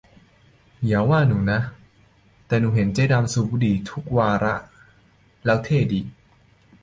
อย่าว่าหนูนะ แต่เห็นเจ๊ดำสูบบุหรี่ทุกวาระแล้วเท่ดี !